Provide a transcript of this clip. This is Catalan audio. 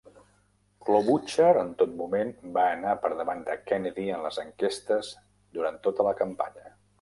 Klobuchar en tot moment va anar per davant de Kennedy en les enquestes durant tota la campanya.